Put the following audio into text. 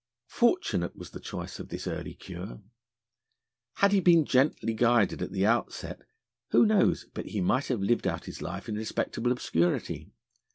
Fortunate was the choice of this early cure. Had he been gently guided at the outset, who knows but he might have lived out his life in respectable obscurity?